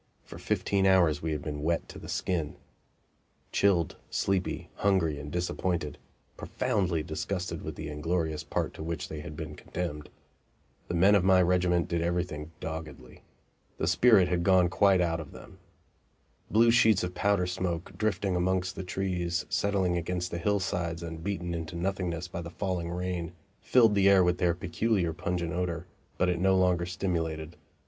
For fifteen hours we had been wet to the skin. Chilled, sleepy, hungry and disappointed profoundly disgusted with the inglorious part to which they had been condemned the men of my regiment did everything doggedly. The spirit had gone quite out of them. Blue sheets of powder smoke, drifting amongst the trees, settling against the hillsides and beaten into nothingness by the falling rain, filled the air with their peculiar pungent odor, but it no longer stimulated.